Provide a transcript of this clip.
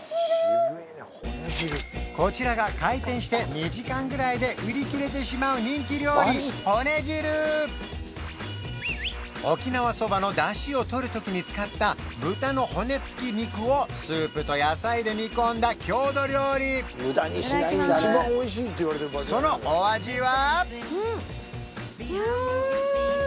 こちらが開店して２時間ぐらいで売り切れてしまう人気料理骨汁沖縄そばの出汁をとるときに使った豚の骨付き肉をスープと野菜で煮込んだ郷土料理そのお味は？